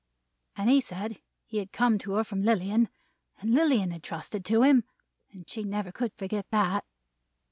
And he said he had come to her from Lilian, and Lilian had trusted to him, and she never could forget that.